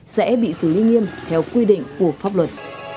sẽ bị xử lý nghiêm theo quy định của pháp luật